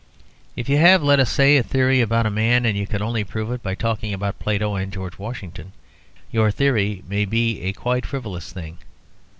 If you have, let us say, a theory about man, and if you can only prove it by talking about Plato and George Washington, your theory may be a quite frivolous thing.